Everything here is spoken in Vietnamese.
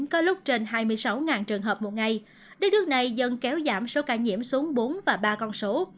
có lúc trên hai mươi sáu trường hợp một ngày đất nước này dần kéo giảm số ca nhiễm xuống bốn và ba con số